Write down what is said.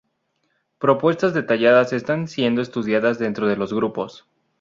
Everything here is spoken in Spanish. Propuestas detalladas están siendo estudiadas dentro de los grupos.